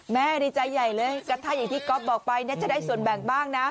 ดีใจใหญ่เลยก็ถ้าอย่างที่ก๊อฟบอกไปจะได้ส่วนแบ่งบ้างนะ